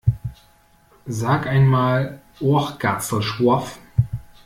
Sag ein mal "Oachkatzlschwoaf"!